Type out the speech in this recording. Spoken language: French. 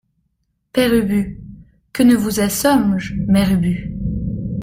Père Ubu Que ne vous assom’je, Mère Ubu !